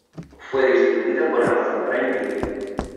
Fue distribuida por Amazon Prime Video.